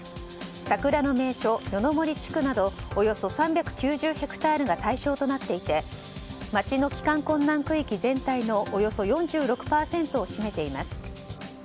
桜の名所、夜の森地区などおよそ３９０ヘクタールが対象となっていて町の帰還困難区域全体のおよそ４６％を占めています。